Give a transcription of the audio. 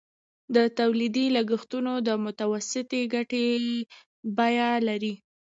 د تولید لګښتونه د متوسطې ګټې بیه لري